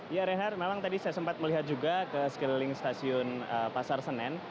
ya reinhardt memang tadi saya sempat melihat juga ke sekeliling stasiun pasar senen